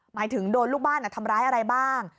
หมายถึงโดนลูกบ้านทำร้ายอะไรบ้าง